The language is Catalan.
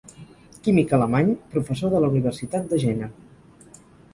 Químic alemany, professor de la Universitat de Jena.